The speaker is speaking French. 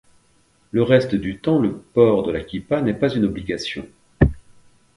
Le reste du temps, le port de la Kippa n'est pas une obligation.